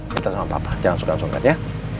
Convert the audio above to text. minta sama papa jangan sungkan sungkan ya